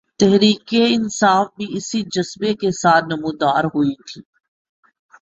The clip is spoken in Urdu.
تحریک انصاف بھی اسی جذبے کے ساتھ نمودار ہوئی تھی۔